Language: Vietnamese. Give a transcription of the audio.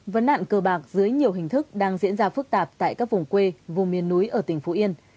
vấn nạn cờ bạc dưới nhiều hình thức đang diễn ra phức tạp tại các vùng quê vùng miền núi ở tỉnh phú yên